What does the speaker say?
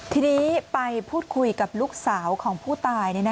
ทีนี้ไปพูดคุยกับลูกสาวของผู้ตาย